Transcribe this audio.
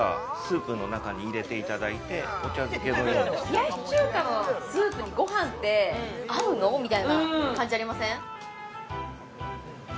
え冷やし中華のスープにご飯って合うの？みたいな感じありません？